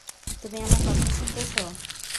তুমি আমার কথা শুনতেছ?